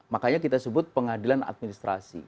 makanya kita sebut pengadilan administrasi